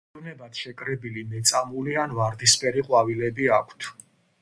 მტევნებად შეკრებილი მეწამული ან ვარდისფერი ყვავილები აქვთ.